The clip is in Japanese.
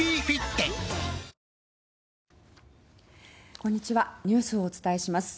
こんにちはニュースをお伝えします。